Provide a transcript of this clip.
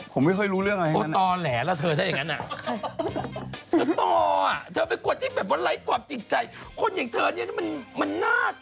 ผมไม่เคยรู้เรื่องอะไรอย่างนั้น